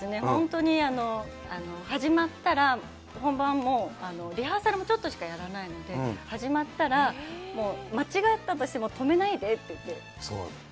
本当に始まったら、本番、もう、リハーサルもちょっとしかやらないので、始まったら、もう間違ったとしても止めないでって言って。